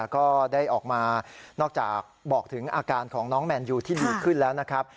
ก็ได้ออกมานอกจากบอกถึงอาการของน้องแมนยูที่ดีขึ้นแล้วนะครับ